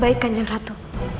baikkan kanjeng ratu